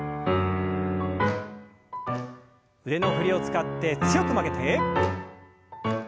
腕の振りを使って強く曲げて。